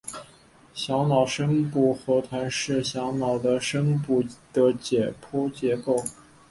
小脑深部核团是小脑的深部的解剖结构。